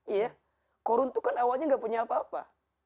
iya korun itu kan awalnya gak punya apa apa